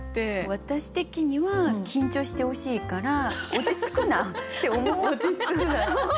私的には緊張してほしいから「落ち着くな！」って思った。